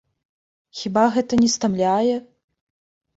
Хіба гэта не стамляе?